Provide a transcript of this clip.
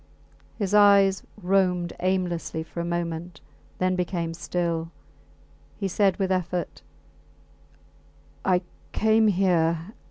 His eyes roamed about aimlessly for a moment, then became still. He said with effort I came here